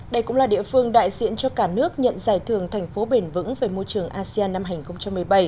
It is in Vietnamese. đây cũng là địa phương đại diện cho cả nước nhận giải thưởng thành phố bền vững về môi trường asean năm hai nghìn một mươi bảy